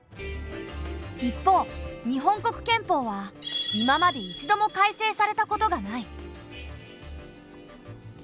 一方日本国憲法は今まで一度も改正されたことはない。